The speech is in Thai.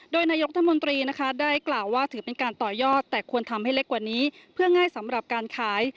โดยนายกรัฐมนตรีนะคะได้กล่าวว่าถือเป็นการต่อยอดแต่ควรทำให้เล็กกว่านี้เพื่อง่ายสำหรับการขาย